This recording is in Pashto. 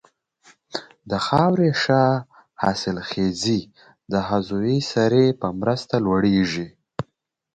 د خاورې ښه حاصلخېزي د عضوي سرې په مرسته لوړیږي.